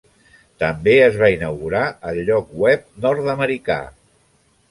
També es va inaugurar el lloc web nord-americà.